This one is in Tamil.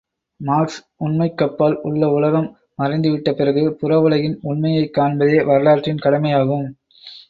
மார்க்ஸ் உண்மைக்கப்பால் உள்ள உலகம் மறைந்துவிட்ட பிறகு, புற உலகின் உண்மையைக் காண்பதே வரலாற்றின் கடமையாகும்.